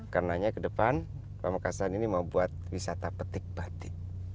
karena ke depan pemekasan ini mau buat wisata petik batik